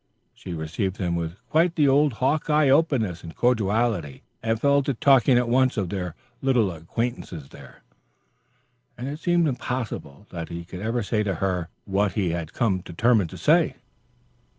She received him with quite the old Hawkeye openness and cordiality, and fell to talking at once of their little acquaintance there; and it seemed impossible that he could ever say to her what he had come determined to say.